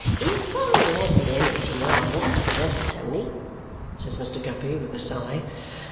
"If I had the energy I once possessed, Tony!" says Mr. Guppy with a sigh.